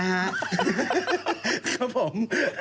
ครับผม